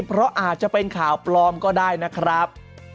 เพราะอาจจะเป็นข่าวปลอมก็ได้นะครับ